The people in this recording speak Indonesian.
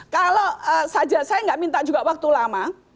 kalau saja saya nggak minta juga waktu lama